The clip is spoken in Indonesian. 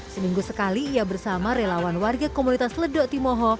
seminggu sekali ia bersama relawan warga komunitas ledok timoho